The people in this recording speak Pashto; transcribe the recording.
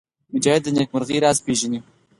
مجاهد د نېکمرغۍ راز پېژني.